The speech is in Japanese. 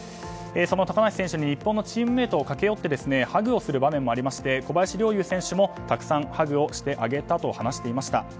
その高梨選手に日本のチームメートが駆け寄ってハグをする場面もありまして小林陵侑選手もたくさんハグをしてあげたと話していました。